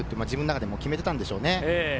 自分の中で決めていたんでしょうね。